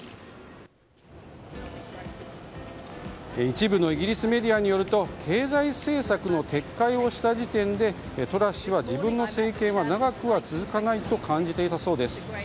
一部のイギリスメディアによると経済政策の撤回をした時点でトラス氏は自分の政権は長くは続かないと感じていたそうです。